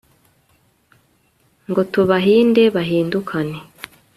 ngo tubahinde bahindukane